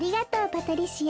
パトリシア？